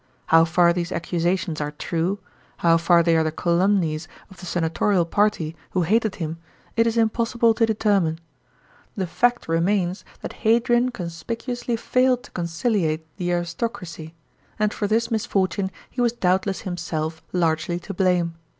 How far these accusations are true, how far they are the calumnies of the senatorial party, who hated him, it is impossible to determine. The fact remains that Hadrian conspicuously failed to conciliate the aristocracy; and for this misfortune he was doubtless himselt largely to blame.